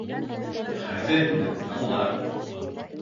Хәҙер инде тыңла.